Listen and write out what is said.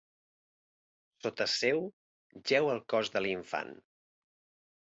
Sota seu, jeu el cos de l'infant.